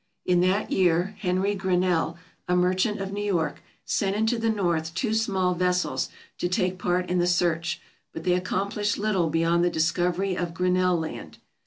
In that year Henry Grinnell, a merchant of New York, sent into the North two small vessels to take part in the search, but they accomplished little beyond the discovery of Grinnell Land.